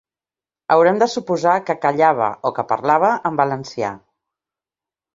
Haurem de suposar que callava o que parlava en valencià.